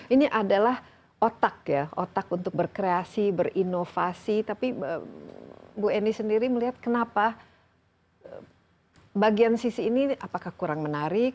ini adalah otak ya otak untuk berkreasi berinovasi tapi bu eni sendiri melihat kenapa bagian sisi ini apakah kurang menarik